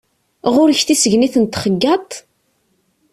Ɣur-k tissegnit n txeyyaṭ?